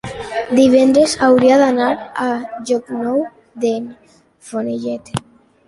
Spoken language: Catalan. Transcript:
Divendres hauria d'anar a Llocnou d'en Fenollet.